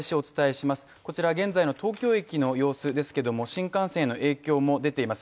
現在の東京駅の様子ですけども新幹線への影響も出ています。